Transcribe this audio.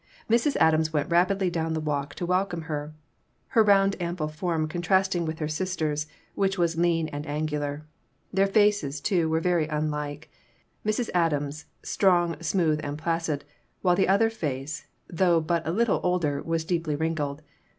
Mrs. Adams went rapidly down the walk to welcome her, her round, ample form contrasting with her sister's, which was lean and angular. Their faces, too, were very unlike Mrs. Adams', strong, smooth and placid, while the other face, though but a little older, was deeply wrinkled.